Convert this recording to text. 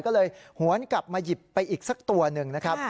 ก็เลยหวนกลับมาหยิบไปอีกสักตัวหนึ่งนะครับ